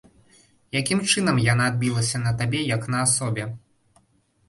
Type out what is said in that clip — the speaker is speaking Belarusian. Якім чынам яна адбілася на табе як на асобе?